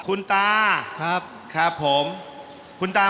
ประหว่างเด็กกับผู้ใหญ่